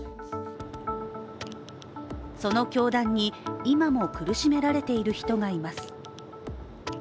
その教団に今も苦しめられている人がいます。